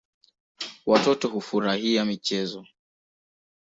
Watoto hufaria michezo.